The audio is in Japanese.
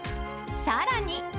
さらに。